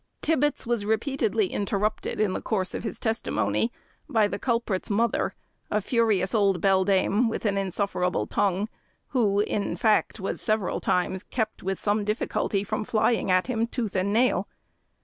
Tibbets was repeatedly interrupted, in the course of his testimony, by the culprit's mother, a furious old beldame, with an insufferable tongue, and who, in fact, was several times kept, with some difficulty, from flying at him tooth and nail.